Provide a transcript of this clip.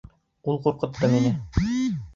Ул ҡурҡытты мине!